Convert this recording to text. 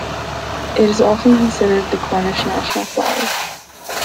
It is often considered the Cornish national flower.